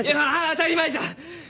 当たり前じゃ！